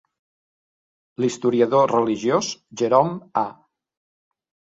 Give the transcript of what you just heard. L'historiador religiós Jerome A.